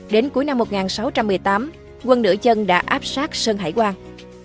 đến cuối năm một nghìn sáu trăm một mươi tám quân nửa chân đã áp sát sơn hải quang